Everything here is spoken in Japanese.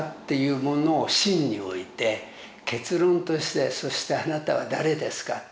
ていうものを芯に置いて結論としてそしてあなたは誰ですか？